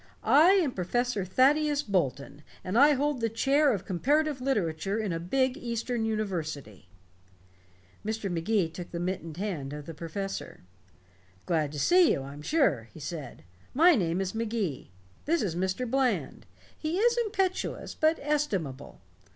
I am Professor Thaddeus Bolton, and I hold the Chair of Comparative Literature in a big eastern university." Mr. Magee took the mittened hand of the professor. "Glad to see you, I'm sure," he said. "My name is Magee. This is Mr. Bland he is impetuous but estimable.